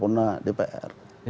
karena diumumkan di sidang periportasi